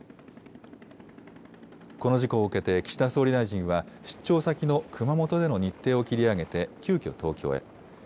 この事故を受けて、岸田総理大臣は出張先の熊本での日程を切り上げて、急きょ東京へ。